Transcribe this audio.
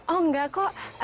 oh enggak kok